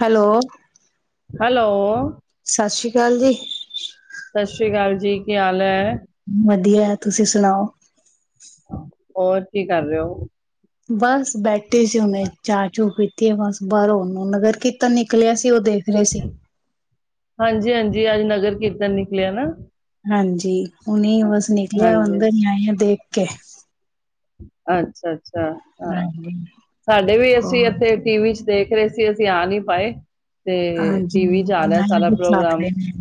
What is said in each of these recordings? Hello, hello, Sat Sri ਅਕਾਲ ਜੀ ਸਤਿ ਸ੍ਰੀ ਅਕਾਲ ਜੀ ਕੀ ਹਾਲ ਹੈ। ਵਧੀਆ ਤੁਸੀਂ ਸੁਣਾਓ ਹੋਰ ਕੀ ਕਰ ਰਹੇ ਹੋ ਬਸ ਬੈਠ ਈਸੁ ਨੇ ਚਾ ਚੂ ਪੀ ਬਸ ਬਾਹਰੋਂ ਉਹਨੂੰ ਨਗਰ ਕੀਰਤਨ ਨਿਕਲਿਆ ਸੀ ਉਹ ਦੇਖ ਰਹੇ ਸੀ ਹਾਂਜੀ ਹਾਂਜੀ ਅੱਜ ਨਗਰ ਕੀਰਤਨ ਨਿਕਲਿਆ ਨਾ, ਹਾਂਜੀ ਹੁਨੀ ਬਸ ਨਿਕਲਿਆ ਹਾਂਜੀ, ਅੰਦਰ ਹੀ ਆਏ ਦੇ ਓਕੇ ਅੱ ਅੱਛਾ ਅੱਛਾ ਹਾਂ ਹਾਂਜੀ, ਸਾਡੇ ਵੀ ਐਸੀ ਹੋਰ ਏਥੇ ਟੀਵੀ ਚ ਤੇ ਅਸੀਂ ਅਸੀਂ ਆ ਨੀ ਪਏ ਤੇ ਹਾਂਜੀ ਟੀਵੀ ਚ ਆ ਰਿਹਾ ਨਾਲੇ ਸਾਰਾ ਦਿਖਾ ਪ੍ਰੋਗਰਾਮ। ਰਹੇ ਨੇ।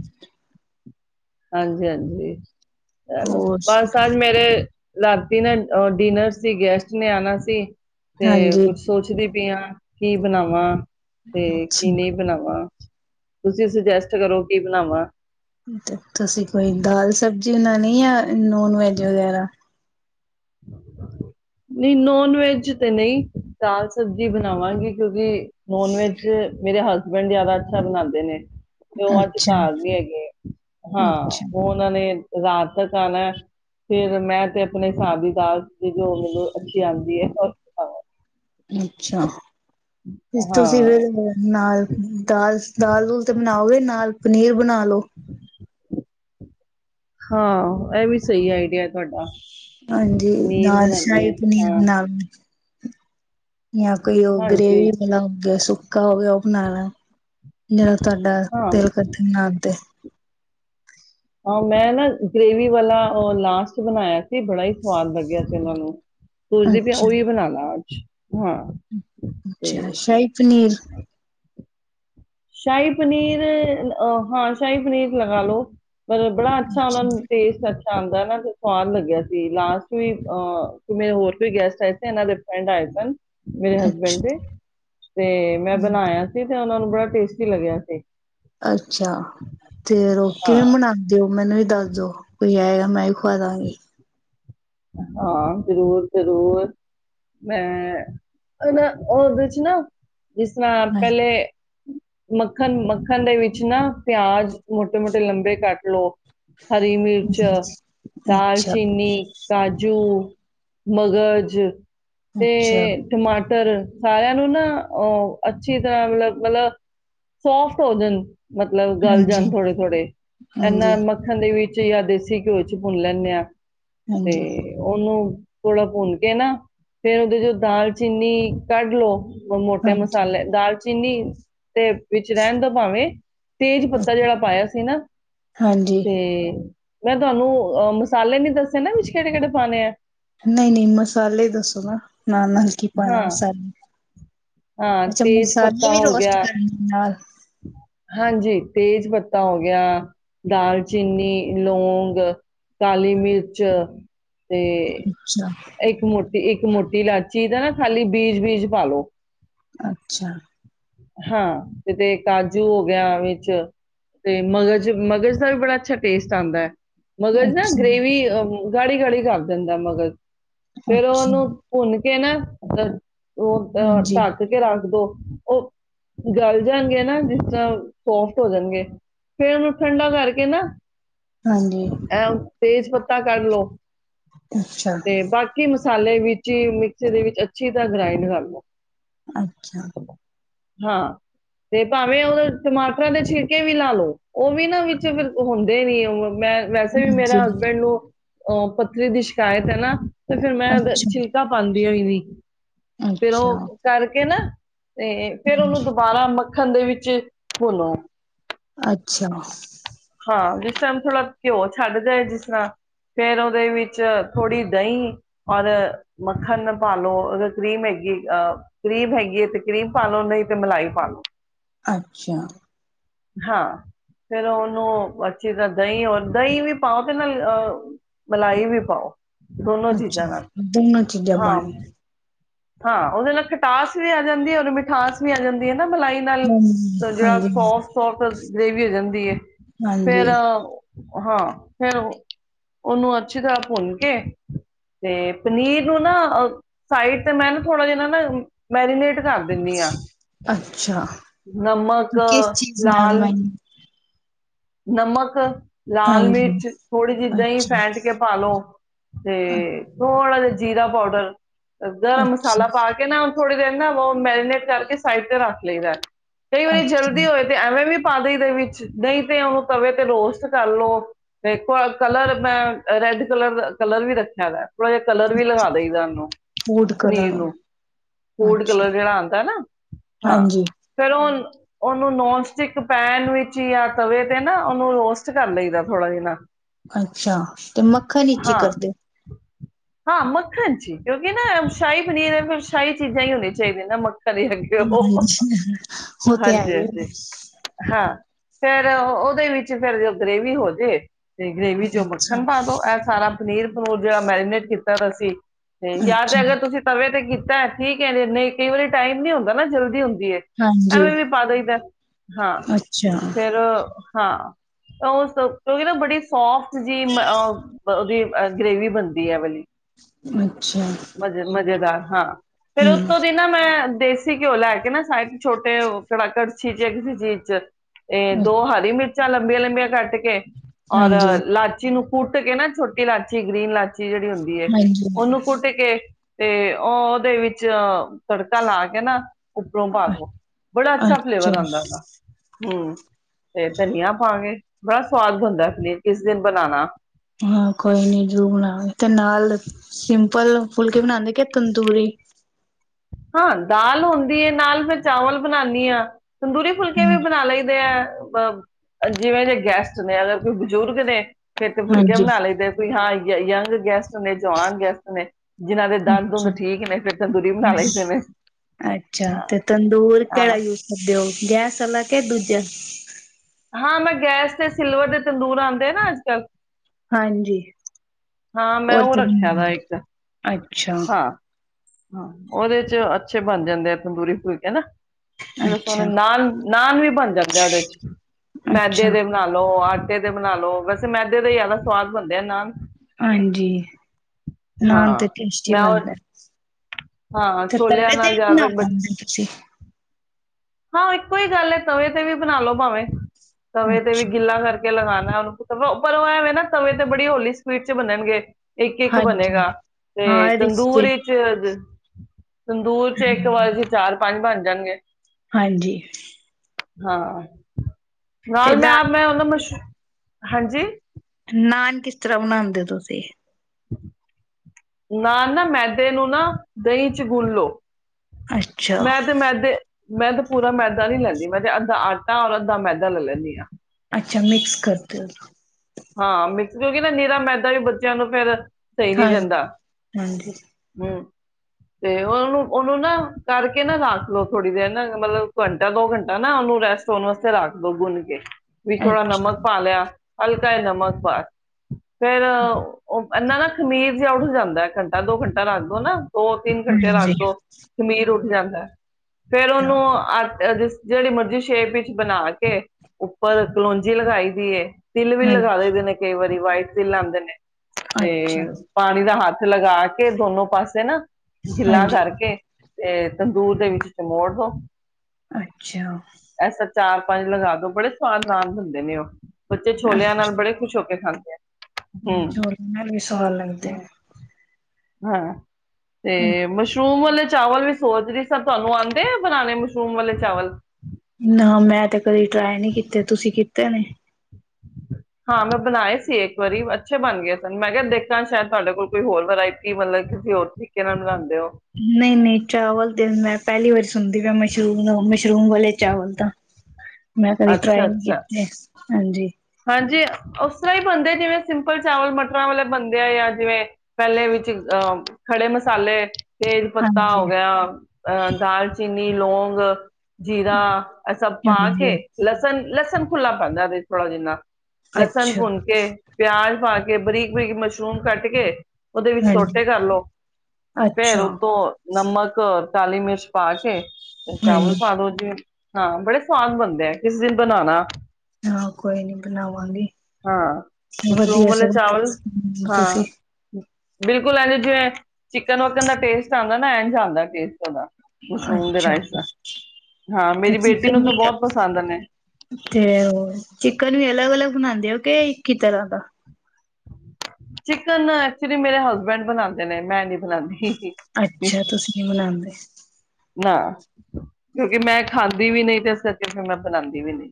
ਹਾਂਜੀ ਹਾਂਜੀ ਚਲੋ ਹੋਰ ਬੱਸ ਅੱਜ ਮੇਰੇ ਰਾਤੀ ਨਾ ਡਿਨਰ ਸੀ ਗੈਸਟ ਨੇ ਆਨਾ ਸੀ ਤੇ ਹਾਂਜੀ, ਕੁਛ ਸੋਚਦੀ ਦੇਖਦੀ ਆ ਕਿ ਬਣਾ ਅੱਛਾ। ਕੀਂ ਬਣਾ ਤੁਸੀਂ ਸੁਜੇਸਟ ਕਰੋ ਤੇ ਤੁਸੀਂ ਕੋਈ ਦਾਲ ਸਭ ਨਈ ਆ ਨੋਨ ਵੇਜ ਵਗੈਰਾ, ਨਈ ਨੋਂਨ ਵੇਜ਼ ਤੇ ਨਈ ਦਾਲ ਸਬਜੀ ਬਣਾਵਾਂਗੀ ਕਿਉਕਿ ਨੋਨ ਵੈਜ ਮੇਰੇ ਹਸਬੈਂਡ ਗੱਢੇ ਆਲਾ ਅੱਛਾ ਬਣਾਂਦੇ ਨੇ, ਤੇ ਉਹ ਅੱਜ ਅੱਛਾ, ਘਰ ਨੀ ਹੈਗੇ, ਹਾਂ ਅੱਛਾ, ਉਹਨਾ ਨੇ। ਰਾਤ ਤਕ ਆਨਾ ਫੇਰ ਮੈ ਤੇ ਆਪਣੇ ਹਿਸਾਬ ਚ, ਦਾਲ ਤੇ ਜੋ ਮੈਨੂੰ ਅੱਛਾ ਆਦੀ ਐ ਉਹ ਸਿਖਾਵਾਂਗਾ। ਅੱਛਾ ਤੇ ਤੁਸੀ ਹਾਂ ਔਦੇ ਨਾਲ ਨਾਲ ਦਾਲ, ਦਾਲ ਦੂਲ ਤੇ ਬਣਾਓਗੇ ਨਾਲ ਪਨੀਰ ਬਣਾ ਹੈਲੋ, ਹਨ ਐ ਵੀ ਸਹੀ ਐ ਆਡੀਆ ਤੁਹਾਡਾ, ਹਾਂਜੀ ਪਨੀਰ ਨਾਲ ਬਣਾਉਣੀ ਸ਼ਾਹੀ ਹੈ ਪਨੀਰ ਹਾਂ ਬਣਾ ਨਾ ਕੋਈ ਉਹ ਹਾਂਜੀ ਗ੍ਰਵੀ ਆਲਾ ਹੁੰਦਾ ਸੁੱਕਾ ਹੋਗਿਆ ਉਹ ਬਣਾਣਾ ਨਾ ਤੁਹਾਡਾ ਦਾ ਹਾਂ ਤੇਲ ਕੱਢ ਨਾੜਦੇ, ਹਾਂ ਮੈ ਨਾ ਉਹ ਲਾਸਟ ਬਣਾਇਆ ਸੀ, ਬੜਾ ਹੀ ਸਵਾਦ ਲਗਾਇਆ ਸੀ ਮੈਨੂੰ, ਸੋਚਦੀ ਪਈ ਆ ਅੱਛਾ। ਓਹੀ ਬਣਾਲਾ, ਹਾਂ, ਅੱਛਾ ਤੇ ਸ਼ਾਹੀ ਪਨੀਰ ਸ਼ਾਹੀ ਪਨੀਰ ਅ ਹਾਂ ਸ਼ਾਹੀ ਪਨੀਰ ਲਗਾ ਲੋ, ਮਤਲਬ ਬੜਾ ਅੱਛਾ ਉਹਨਾ ਨੂੰ ਟੇਸਟ ਰੱਖ ਪਸੰਦ ਐ ਨਾ ਫੇਰ ਸਵਾਦ ਲੱਗਿਆ ਸੀ, ਲਾਸਟ ਵੀ ਅਹ ਮੇਰੇ ਹੋਰ ਕੋਈ ਗੈਸਟ ਆਏ ਸੀ ਇਹਨਾਂ ਫਰੈਡ ਆਏ ਸਨ। ਮੇਰੇ ਹਸਬੈਂਡ ਅੱਛਾ। ਦੇ ਤੇ ਮੈਂ ਬਣਾਇਆ ਸੀ। ਯਾਰ ਅੰਬ ਬੜਾ ਟੇਸਟੀ ਸੀ ਲੱਗਿਆ ਸੀ ਅੱਛਾ ਤੇ ਉਹ ਹਾਂ ਕਿਵੇਂ ਬਨਾਤੇ ਹੋ ਮੈਨੂੰ ਦੱਸਦੋ ਦੋ ਕੋਈ, ਜੈ ਰਾਮ, ਵਾਹਿਗੁਰੂ ਪਤਾ ਨਹੀ ਹਾਂ ਜ਼ਰੂਰ ਜ਼ਰੂਰ ਮੈਂ ਨਾ ਉਹਦੇ ਚ ਨਾ, ਜਿਸ ਤਰਾ ਪਹਿਲੇ, ਮੱਖਣ ਮੱਖਣ ਦੇ ਵਿੱਚ ਨਾ ਪਿਆਜ ਮੋਟੇ ਮੋਟੇ ਲੰਬੇ ਕੱਟ ਲਓ। ਹਰੀ ਮਿਰਚ, ਅੱਛਾ ਦਾਲਚੀਨੀ ਕਾਜੂ ਮਗਜ, ਤੇ ਅੱਛਾ ਟਮਾਟਰ ਸਾਰਿਆਂ ਨੂੰ ਨਾ ਉਹ ਅੱਛੀ ਤਰ੍ਹਾਂ ਮਤਲਬ ਮਤਲਬ ਸੋਫਟ ਹੋ ਜਾਨ, ਮਤਲਬ ਗਲ ਹਾਂਜੀ ਜਾਣ ਥੋੜੇ-ਥੋੜ੍ਹੇ ਹਾਂਜੀ ਇਹਨਾਂ ਮੱਖਣ ਦੇ ਵਿੱਚ ਚ ਜਾਂ ਦੇਸੀ ਘਿਓ ਚ ਭੁੰਨ ਲੈਂਨੇ ਹਾਂ। ਤੇ ਹਾਂਜੀ ਉਹਨੂੰ ਥੋੜਾ ਭੁੰਨ ਕੇ ਨਾ ਫੇਰ ਉਹਦੇ ਚੋ ਦਾਲਚੀਨੀ ਕੱਢ ਲੋ। ਵ ਮੋਟੇ ਹਾਂਜੀ। ਮਸਾਲੇ ਦਾਲ ਚੀਨੀ ਤੇ ਵਿੱਚ ਰਹਿਣ ਦਾ ਭਾਵੇਂ ਤੇਜ਼ ਪੱਤਾ ਜਿਹੜਾ ਪਾਇਆ ਤੇ ਨਾ ਹਾਂਜੀ ਤੇ ਮੈਂ ਤੁਹਾਨੂੰ ਅ ਮਸਾਲੇ ਨੀ ਦੱਸੇ ਨਾ ਵਿੱਚ ਕਿਹੜੇ ਕਿਹੜੇ ਪਾਣੇ ਐ। ਨਹੀਂ-ਨਹੀਂ ਮਸਾਲੇ ਦੱਸੋ ਨਾ ਨਾਲ-ਨਾਲ। ਕੀ ਪਣਾ ਹਾਂ ਵੇਂ [unintelligible] ਹਾਂ ਤੇਜਪੱਤਾ ਹੋ ਰੋਸਟ ਗਿਆ, ਕਰਨੇ ਨਾਲ ਹਾਂਜੀ। ਤੇਜ਼ ਪੱਤਾ ਹੋ ਗਿਆ, ਦਾਲਚੀਨੀ, ਲੌਂਗ, ਕਾਲੀ ਮਿਰਚ ਤੇ ਅੱਛਾ ਇੱਕ ਮੋਟੀ, ਇੱਕ ਮੋਟੀ ਲਾਚ ਚੀ ਦਾ ਨਾ ਖਾਲੀ ਬੀਜ-ਬੀਜ ਪਾਲ ਲੋ। ਅੱਛਾ। ਹਾਂ ਤ ਤੇ ਕਾਜੂ ਹੋ ਗਿਆ ਵਿੱਚ ਤੇ ਮਗਜ਼-ਮਗਜ਼ ਦਾ ਵੀ ਬੜਾ ਅੱਛਾ ਟੇਸਟ ਆਉਂਦਾ ਹੈ। ਮਗਰ ਨਾ ਗ੍ਰੇਵੀ ਅੱਛਾ ਗਾੜੀ-ਗਾੜੀ ਕਰ ਦਿੰਦੈ ਮਗਜ। ਫੇਰ ਅੱਛਾ ਉਹਨੂੰ ਭੁੰਨ ਤੇ ਨਾ ਉਹਦਾ ਹਾਂਜੀ ਟੱਕ ਕੇ ਰਖ ਦੋ। ਉਹ ਗਲ ਜਾਣਗੇ ਨਾ, ਜਿਸ ਟੈਮ ਸੋਫਟ ਹੋ ਜਾਣਗੇ ਫੇਰ ਉਹਨੂੰ ਠੰਡਾ ਕਰਕੇ ਨਾ ਹਾਂਜੀ। ਤੇਜ਼ ਪੱਤਾ ਕਰ ਲਓ। ਅੱਛਾ ਤੇ ਬਾਕੀ ਮਸਾਲੇ ਵਿੱਚ ਹੀ ਮਿਕਸੀਰ ਦੇ ਵਿੱਚ ਅੱਛੀ ਤਰ੍ਹਾਂ ਗ੍ਰਾਇੰਡ ਕਰ ਲਓ। ਅੱਛਾ। ਹਾਂ ਤੇ ਭਾਵੇਂ ਉਹ ਟਮਾਟਰਾਂ ਦੇ ਛਿਲਕੇ ਵੀ ਲਾ ਲਓ ਉਹ ਵੀ ਨਾ ਵਿੱਚ ਫਿਰ ਹੁੰਦੇ ਨੀ ਉਹ ਮੈਂ ਵੈਸੇ ਵੀ ਮੇਰਾ ਹਾਂਜੀ ਹਸਬੈਂਡ ਨੂੰ ਅ ਪੱਥਰੀ ਦੀ ਸ਼ਿਕਾਇਤ ਹੈ ਨਾ ਤੇ ਫੇਰ ਮੈਂ ਉਦਾ ਅੱਛਾ ਛਿਲਕਾ ਪਾਂਦ [unintelligible] ਅੱਛਾ। ਕਰਕੇ ਨਾ ਤੇ ਫੇਰ ਉਹਨੂੰ ਹਾਂਜੀ ਦੁਬਾਰਾ ਮ ਖੰਡ ਵਿੱਚ ਭੁੰਨੋ। ਅੱਛਾ। ਹਾਂ ਜਿਸ ਟਾਈਮ ਥੋੜ੍ਹਾ ਘਿਓ ਛੱਡ ਜਾਏ ਜਿਸ ਤਰਾਂ ਫੇਰ ਉਹਦੇ ਵਿੱਚ ਥੋੜ੍ਹੀ ਦਈਂ ਔਰ ਮੱਖਣ ਪਾ ਲੋ ਅਗਰ ਕਰੀਮ ਹੈਗੀ ਏ ਆ ਕਰੀਮ ਹੈਗੀ ਹੈ ਤੇ ਕਰੀਮ ਪਾ ਲ ਲੋ, ਨਹੀਂ ਤੇ ਮਲਾਈ ਪਾ ਲੋ। ਅੱਛਾ। ਹਾਂ ਫਿਰ ਉਹਨੂੰ ਅਛੀ ਤਰਾ ਦਹੀਂ ਔਰ ਦਹੀਂ ਵੀ ਪਾਓ ਤੇ ਨਾਲ ਮਲਾਈ ਵੀ ਪਾਓ। ਦੋਨੋ ਚੀਜ਼ਾਂ ਨਾਲ ਅੱਛਾ ਦੋਨਾਂ ਚੀਜ਼ਾਂ ਹਾਂ ਪਾਣੀਆਂ ਹਾਂ ਉਹਦੇ ਨਾਲ ਖਟਾਸ ਵੀ ਆ ਜਾਂਦੀ ਹੈ ਔਰ ਮਿਠਾਸ ਵੀ ਆ ਜਾਂਦੀ ਹੈ ਨਾ। ਫੇਰ ਮਲਾਈ ਨਾਲ ਹਾਂਜੀ ਜਿਹੜਾ ਸੋਫਟ, ਹਾਂਜੀ ਸੋਫਟ ਗ੍ਰੇਵੀ ਹੋ ਜਾਂਦੀ ਐ ਫੇਰ ਹਾਂਜੀ ਹਾਂ, ਫਿਰ ਉਹਨੂੰ ਅੱਛੀ ਤਰਾਂ ਭੁੰਨ ਕੇ ਤੇ ਪਨੀਰ ਨੂੰ ਨਾ ਸਾਈਡ ਤੇ ਮੈਂ ਨਾ ਥੋੜਾ ਜਾ ਨਾ ਮੈਰੀਨੇਟ [inaudible] ਅੱਛਾ ਨਮਕ ਕਿਸ ਚੀਜ਼ ਨਾਲ ਲਾਲ ਬਣ ਨਮਕ [inaudible] ਜੀਰਾ ਹਾਂਜੀ ਅੱਛਾ ਪਾਊਡਰ। [inaudible] ਅੱਛਾ ਥੋੜੀ ਦੇਰ ਨਾ ਮੈਰੀਨੇਟ ਕਰਕੇ ਸਾਈਡ ਤੇ ਰੱਖ ਲਈਦਾ। ਕਈ ਵਾਰੀ ਅੱਛਾ ਜਲਦੀ ਹੋਏ ਤੇ ਐਵੇਂ ਵੀ [inaudible] ਦਈ ਤੇ ਉਹਨੂੰ ਤਵੇ ਤੇ ਰੋਸਟ ਕਰ ਲਓ ਦੇਖੋ ਕਲਰ ਮੈਂ ਰੈਡ ਕਲਰ ਕਲਰ ਵੀ ਰੱਖਿਆ। ਥੋੜਾ ਜਿਹਾ ਕਲਰ ਵੀ ਲਗਾ ਦਈ ਦਾ ਓਨੂੰ ਫੂਡ ਪਨੀਰ ਕਲਰ ਨੂੰ ਫੂਡ ਅੱਛਾ ਕਲਰ ਜਿਹੜਾ ਆਂਦਾ ਨਾ ਹਾਂ ਹਾਂਜੀ ਫਿਰ ਹੁਣ। ਓਨੂੰ ਨੋਨ ਸਟੀਕ ਪੈਣ ਵਿੱਚ ਜਾਂ ਤਵੇ ਤੇ ਨਾ ਉਹਨੂੰ ਰੋਸਟ ਕਰ ਲਈਦਾ ਥੋੜਾ ਜਿਹਾ। ਅੱਛਾ ਤੇ ਮੱਖਣ ਵਿੱਚੀ ਹਾਂ ਕਰਦਿਓ। ਹਾਂ, ਮੱਖਣ ਚੀ ਕਿਉਂਕਿ ਨਾ ਸ਼ਾਹੀ ਪਨੀਰ ਸ਼ਾਹੀ ਚੀਜ਼ਾਂ ਹੀ ਹੋਣੀ ਚਾਹੀਦੀਆਂ ਨਾ ਮੱਖ [inaudible] ਫਿਰ ਉਹਦੇ ਵਿੱਚ ਫਿਰ ਜੋ ਗ੍ਰੇਵੀ ਹੋ ਜੇ। ਤੇ ਗਰੇਵੀ ਚੋਂ ਅੱਛਾ ਮੱਖਣ ਪਾਦੋ ਐ ਸਾਰਾ ਪਨੀਰ ਪਨੁਰ ਜਿਹੜਾ ਮੈਰੀਨੇਟ ਕੀ [unintelligible] ਜਾਂ ਤਾਂ ਅੱਛਾ ਅਗਰ ਤੁਸੀਂ ਤਬੇ ਤੇ ਕੀ [unintelligible] ਨਹੀਂ ਕਈ ਵਾਰੀ ਟਾਈਮ ਨਹੀਂ ਹੁੰਦਾ ਨਾ ਜਲਦੀ ਹੁੰਦਾ। [unintelligible] ਹਾਂਜੀ ਹਾਂ ਅੱਛਾ [unintelligible] ਕਿਉਂਕਿ ਬੜੀ ਸੋਫਟ ਜੀ ਅ ਉਹਦੀ ਮਤਲਬ ਗਰੇਵੀ ਬਣਦੀ ਐ ਏ ਵਾਲੀ। ਅੱਛਾ। ਮਜ਼ੇ ਮਜ਼ੇਦਾਰ ਹਾਂ। ਫਿਰ ਹਮ ਉੱਤੋਂ ਦੀ ਨਾ ਮੈਂ। ਦੇਸੀ ਘਿਓ ਲੈ ਕੇ ਨਾ ਸਾਈਡ ਛੋਟੇ ਕੜਛੀ ਚ ਜਾਂ ਕਿਸੇ ਚੀਜ਼ ਚ। ਏ ਦੋ ਹਰੀ ਜਾਂ ਲੰਬੀਆਂ ਲੰਬੀਆਂ ਕੱਟ ਕੇ ਔਰ ਹਾਂਜੀ ਲਾਚੀ ਨੂੰ ਕੁੱਟ ਕੇ ਨਾ ਛੋਟੀ ਲਾਚੀ ਗ੍ਰੀਨ ਲਾਚੀ ਜਿਹੜੀ ਹੁਂਦੀ ਏ ਉਨੂੰ ਕੁੱਟ ਕੇ ਤੇ ਉਹ ਉਹਦੇ ਵਿੱਚ ਤੜਕਾ ਲਾ ਕੇ ਨਾ ਉੱਪਰੋਂ ਪਾਦੋ। ਬੜਾ ਅੱਛਾ ਫਲੇਵਰ ਆਂਦਾ ਉਹਦਾ। ਹੁੰ, ਤੇ ਧਨੀਆ ਪਾਕੇ ਬੜਾ ਸਵਾਦ ਬਨਦਾ ਏ ਪਨੀਰ, ਕਿਸੀ ਦਿਨ ਬਨਾਨਾ। ਹਾਂ, ਕੋਈ ਨੀ ਜਰੂਰ ਆਂਵਾਂਗੇ ਤੇ ਨਾਲ ਸਿੰਪਲ ਫੁਲਕੇ ਬਨਾਦੇ ਕੇ ਤੰਦੂਰੀ। ਹਾਂ, ਦਾਲ ਹੁੰਦੀ ਏ ਨਾਲ ਮੈਂ ਚਾਵਲ ਬਨਾਨੀ ਆਂ। ਤੰਦੂਰੀ ਫੁਲਕੇ ਵੀ ਬਨਾ ਲਈਦੇ ਏ । ਬ ਅ ਜਿਵੇਂ ਦੇ ਗੈਸਟ ਨੇ ਅਗਰ ਕੋਈ ਬਜ਼ੁਰਗ ਨੇ। ਫੇਰ ਤੇ ਫੁਲਕੇ ਹਾਂਜੀ ਬਨਾ ਲਇਦੇ ਕੋਈ ਹਾਂ ਈ ਯ ਯੰਗ ਗੈਸਟ ਨੇ, ਜਵਾਨ ਗੈਸਟ ਨੇ। ਜਿਨ੍ਹਾਂ ਦੇ ਦੰਦ ਦੁੰਦ ਅੱਛਾ ਠੀਕ ਨੇ ਫਿਰ ਤੰਦੂਰੀ ਬਣਾ ਲਈ ਅੱਛਾ, ਤੇ ਤੰਦੂਰ ਕਿਹੜਾ ਹਾਂ ਯੂਜ ਕਰਦੇ ਓ। ਗੈਸ ਆਲਾ ਕੇ ਦੂਜਾ। ਹਾਂ, ਮੈਂ ਗੈਸ ਤੇ ਸਿਲਵਰ ਦੇ ਤੰਦੂਰ ਆਂਦੇ ਆ ਨਾ ਅੱਜ ਕੱਲ੍ਹ। ਹਾਂਜੀ ਮੈਂ ਓਰ ਉਹ ਰੱਖਿਆ ਦਾ [unintelligible] ਇੱਕ ਅੱਛਾ। ਹਾਂ ਹਾਂ, ਉਹਦੇ ਚ ਅੱਛੇ ਬਨ ਜਾਂਦੇ ਆ ਤੰਦੂਰੀ ਫੁਲਕੇ ਨਾ। ਬੜੇ ਸੋਹਣੇ ਅੱਛਾ ਨਾਨ ਨਾਨ ਵੀ ਬਨ ਜਾਂਦੇ ਆ ਉਹਦੇ ਚ। ਮੈਦੇ ਅੱਛਾ ਦੇ ਬਨਾ ਲਓ। ਉਹ ਆਟੇ ਤੇ ਬਣਾ ਲੋ, ਵੈਸੇ ਮੈਦੇ ਦੇ ਜ਼ਿਆਦਾ ਸਵਾਦ ਬਨਦੇ ਏ ਨਾਨ। ਹਾਂਜੀ ਹਾਂ ਨਾਨ ਤੇ ਟੇਸਟੀ ਮੈਂ ਉਹ ਬਨਦਾਏ। ਹਾਂ ਤੇ ਛੋਲਿਆਂ ਤਵੇ ਤੇ ਨਾਲ ਵੀ ਬਣਾ ਜ਼ਿਆਦਾ ਬ ਲੈਂਦੇ ਹੋ ਤੁਸੀਂ। ਹਾਂ, ਇੱਕੋ ਹੀ ਗੱਲ ਏ। ਤਵੇ ਤੇ ਵੀ ਬਨਾ ਲੋ ਭਾਵੇਂ। ਤਵੇ ਤੇ ਵੀ ਅੱਛਾ ਗਿੱਲਾ ਕਰਕੇ ਲਗਾ ਪਰ ਉਹ ਵੇ ਤਵੇ ਤੇ ਬੜੀ ਹੋਲੀ ਸਪੀਡ ਚ ਬਨਣਗੇ। ਇੱਕ ਇੱਕ ਹਾਂਜੀ ਬਣੇਗਾ ਤੇ ਹਾਂ ਇਹਦੇ ਤੰਦੂਰ ਚ ਇਚ ਤੰਦੂਰ ਚ ਇਕ ਹਾਂਜੀ ਵਾਰ ਚ ਚਾਰ ਪੰਜ ਬਣ ਜਾੰਗੇ। ਹਾਂਜੀ। ਹਾਂ। ਤੇ ਨਾਲ ਮੈਂ ਆਪ ਨਾਨ ਮੈਂ ਉਹਨਾ ਮਸ਼ ਹਾਂਜੀ। ਨਾਨ ਕਿਸ ਤਰ੍ਹਾਂ ਬਣਾਉਂਦੇ ਹੋ ਤੁਸੀਂ? [inaudible] ਨਾ ਨਾ ਮੈਦੇ ਨੂੰ ਨਾ ਦਹੀਂ ਚ ਗੁੰਨ ਲੋ। ਅੱਛਾ ਮੈਂ ਤੇ, ਮੈਦੇ ਮੈਂ ਤਾਂ ਪੂਰਾ ਮੈਦਾ ਨੀ ਲੈਂਦੀ ਮੈਂ ਤੇ ਅੱਧਾ ਆਟਾ ਔਰ ਅੱਧਾ ਮੈਦਾ ਲੈ ਲੈਂਦੀ ਹਾਂ। ਅੱਛਾ ਮਿਕਸ ਕਰਦੇ। ਹਾਂ ਮਿਕਸ ਕਿਉਂਕਿ ਨਾ ਨੀਰਾ ਮੈਦਾ ਵੀ ਬੱਚਿਆਂ ਨੂੰ ਫੇਿਰ ਸਈ ਨੀ ਹਾਂਜੀ ਰਹਿੰਦਾ। ਹਾਂਜੀ ਹਮਮ। ਤੇ ਉਹਨੂੰ ਉਹਨੂੰ ਨਾ ਡਰ ਕੇ ਨਾ ਰੱਖ ਲਓ ਥੋੜ੍ਹੀ ਦੇਰ ਨਾ ਮਤਲਬ ਘੰਟਾ ਦੋ ਘੰਟਾ ਨਾ ਉਹਨੂੰ ਰੈਸਟ ਹੋਣ ਵਾਸਤੇ ਰੱਖ ਲੋ, ਗੁੰਨ ਕੇ ਵੀਚ ਥੋੜਾ ਅੱਛਾ ਨਮਕ ਪਾ ਲਿਆ। ਅਲ [unintelligible] ਫਿਰ ਓ ਨਾ ਨਾ ਖਮੀਰ ਜਿ ਆ ਉਠ ਜਾਂਦਾ ਘੰਟਾ ਦੋ ਘੰਟਾ ਰਖ ਦਓ ਨਾ ਦੋ ਤਿੰਨ ਘੰਟੇ ਰਖ ਹਾਂਜੀ ਦੋ, ਖਮੀਰ ਉੱਠ ਜਾਂ ਹ [inaudible] ਫੇਰ ਉਹਨੂੰ ਜਿਹੜੀ ਮਰਜੀ ਸ਼ੇਪ ਵਿੱਚ ਬਣਾ ਕੇ ਉਪਰ ਕਲੋਜੀ ਲਗਾਈ ਦੀ ਹ ਤਿੰਨ ਵੀ ਹਾਂਜੀ ਲਗਾ ਦਈ ਦੇ ਨੇ ਕਈ ਵਾਰੀ ਦੀ ਵਾਈਟਸ ਹੀ ਲਾਂਦੇ ਨੇ। ਤੇ ਅੱਛਾ ਪਾਣੀ ਦਾ ਹੱਥ ਲਗਾ ਕੇ ਦੋਨੋ ਪਾਸੇ ਨਾ ਗਿੱਲਾ ਹਾਂਜੀ ਕਰਕੇ ਤੇ ਤੰਦੂਰ ਦੇ ਵਿੱਚ ਚਮੋੜ ਦੋ ਅੱਛਾ। ਐਸਾ ਚਾਰ ਪੰਜ ਲਗਾ ਦੋ ਬੜੇ ਸਵਾਦ ਨਾਨ ਹੁੰਦੇ ਨੇ ਉਹ ਛੋਲਿਆਂ ਨਾਲ ਬੜੇ ਖੁਸ਼ ਹੋ ਕੇ ਖਾਂਦੇ ਆ ਹਮਮ, ਹੂੰ ਚੋਲ ਬ ਨਾਲ ਵੀ ਸਵਾਦ ਲਗਦੇ ਆ। ਹਾਂ ਤੇ ਮਸ਼ਰੂਮ ਵਾਲੇ ਚਾਵਲ ਵੀ ਸੋਚ ਰਹੀ ਸਾਂ, ਤੁਹਾਨੂੰ ਆਂਦੇ ਆ ਬਣਾਣੇ ਮਸ਼ਰੂਮ ਵਾਲੇ ਚਾਵਲ? ਨਾ ਮੈਂ ਤੇ ਕਦੇ ਟਰਾਏ ਨਹੀਂ ਕੀਤੇ, ਤੁਸੀਂ ਕੀਤੇ ਨੇ। ਹਾਂ ਮੈਂ ਬਣਾਏ ਸੀ ਇੱਕ ਵਾਰੀ, ਅੱਛੇ ਬਣ ਗਏ ਸਨ। ਮੈਂ ਕਿਹਾ ਦੇਖਾਂ ਸ਼ਾਇਦ ਤੁਹਾਡੇ ਕੋਲ ਕੋਈ ਹੋਰ ਵਰਾਇਟੀ ਮਤਲਬ ਕਿਸੇ ਹੋਰ ਤਰੀਕੇ ਨਾਲ ਬਣਾਦੇ ਓ। ਨਹੀਂ ਨਹੀਂ ਚਾਵਲ ਤੇ ਮੈਂ ਪਹਿਲੀ ਵਾਰੀ ਸੁਣਦੀ ਪਿਆ ਮਸ਼ਰੂਮ ਮ ਮਸ਼ਰੂਮ ਵਾਲੇ ਚਾਵਲ ਤਾਂ ਮੈਂ ਕਦੀ ਅੱਛਾ ਟਰਾਈ ਨਹੀਂ ਅੱਛਾ ਕੀਤੇ। ਹਾਂਜੀ ਹਾਂਜੀ, ਉਸ ਤਰ੍ਹਾਂ ਹੀ ਬਣਦੇ ਜਿਵੇਂ ਸਿੰਪਲ ਚਾਵਲ ਮਟਰਾਂ ਵਾਲੇ ਬਣਦੇ ਆ ਜਾਂ ਜਿਵੇਂ ਪਹਿਲੇ ਵਿੱਚ ਅ ਖੜੇ ਮਸਾਲੇ ਤੇਜ ਪੱਤਾ ਹਾਂਜੀ ਹੋ ਗਿਆ ਅ ਦਾਲ ਚੀਨੀ, ਲੌਂਗ ਜੀਰਾ ਇਹ ਸਭ ਪਾ ਹਾਂਜੀ ਕੇ ਲਸਣ ਲਸਣ ਖੁੱਲਾ ਪੈਂਦਾ ਹੈ ਇਦੇ ਚ ਥੋੜ੍ਹਾ ਜਿਨ੍ਹਾਂ ਲਸਣ ਅੱਛਾ ਭੁਨ ਕੇ ਪਿਆਜ਼ ਪਾ ਕੇ ਬਰੀਕ-ਬਰੀਕ ਮਸ਼ਰੂਮ ਕੱਟ ਕੇ ਉਹਦੇ ਵਿੱਚ ਹਾਂਜੀ ਸੋਟੇ ਕਰ ਲਓ, ਫੇਰ ਅੱਛਾ। ਉਤੋਂ ਨਮਕ ਕਾਲੀ ਮਿਰਚ ਪਾ ਕੇ ਫਿਰ ਚਾਵਲ ਹਾਂਜੀ ਪਾ ਦੋ ਜਿਵੇਂ, ਹਾਂ ਬੜੇ ਸਵਾਦ ਬਣਦੇ ਆ ਕਿਸੇ ਦਿਨ ਬਣਾਉਣਾ। ਹਾਂ। ਕੋਈ ਨੀ ਬਣਾਵਾਂਗੀ, ਹਾਂ ਮਸ਼ਰੂਮ ਵਧੀਆ ਵਾਲੇ ਸ ਚਾਵਲ ਤੁਸੀਂ। ਹਾਂ ਬਿਲਕੁਲ ਇਵੇ ਜਿਵੇਂ ਚਿਕੱਨ ਵੱਕਣ ਦਾ ਟੇਸਟ ਆਉਂਦਾ ਏ ਨਾ ਇੰਝ ਆਉਂਦਾ ਐ ਟੇਸਟ। ਉਹਦਾ ਮਸ਼ਰੂਮ ਦੇ ਅੱਛਾ ਰਾਈਸ ਦਾ ਹਾਂ ਤੇ ਮੇਰੀ ਬੇਟੀ ਚਿਕਨ ਨੂੰ ਤਾਂ ਵੀ ਬਹੁਤ ਪਸੰਦ ਨੇ ਤੇ ਚਿਕਨ ਵੀ ਅਲਗ ਅਲਗ ਬਣਾਉਦੇ ਹੋ ਕਿ ਇੱਕ ਹੀ ਤਰ੍ਹਾਂ ਦਾ। ਚਿਕੱਨ ਐਕਚੁਲੀ ਮੇਰੇ ਹਸਬੈਂਡ ਬਣਾਉਂਦੇ ਨੇ, ਮੈਂ ਨੀ ਬਣਾਉਂਦੀ। ਅੱਛਾ, ਤੁਸੀਂ ਨੀ ਬਣਾਦੇ। ਨਾਂ। ਕਿਉਂਕਿ ਮੈਂ ਖਾਂਦੀ ਵੀ ਨਹੀਂ ਤੇ ਇਸ ਕਰਕੇ ਫਿਰ ਮੈਂ ਬਣਾਉਂਦੀ ਵੀ ਨਹੀਂ।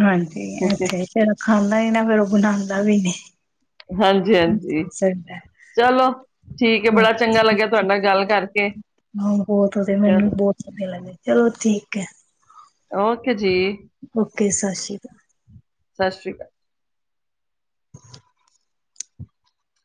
ਹਾਂਜੀ, ਇੱਥੇ ਜਿਹੜਾ ਖਾਂਦਾ ਹੈ ਨਾ ਨਾ ਫਿਰ ਉਹ ਬਣਾਦਾ ਵੀ ਨੀ। ਹਾਂਜੀ ਹਾਂਜੀ ਚਲੋ ਠੀਕ ਹੈ ਬੜਾ ਚੰਗਾ ਲੱਗਿਆ ਤੁਹਾਡੇ ਨਾਲ ਗੱਲ ਕਰਕੇ ਹੋਰ ਮੈਨੂੰ ਚਲੋ ਬਹੁਤ ਵਧੀਆ ਲਗਦੇ, ਚਲੋ ਠੀਕ ਹੈ। ਓਕੇ ਜੀ। ਓਕੇ ਸਤਿ ਸ਼੍ਰੀ, ਸਤਿ ਸ੍ਰੀ ਅਕਾਲ।